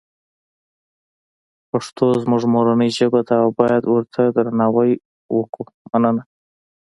پښتوزموږمورنی ژبه ده اوبایدورته درناوی وکومننه